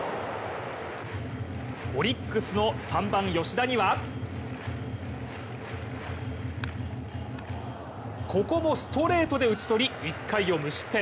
オリックスの３番・吉田にはここもストレートで打ち取り１回を無失点。